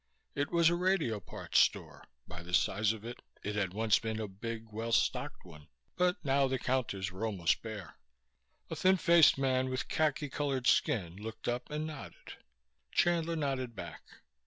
It was a radio parts store; by the size of it, it had once been a big, well stocked one; but now the counters were almost bare. A thin faced man with khaki colored skin looked up and nodded. Chandler nodded back.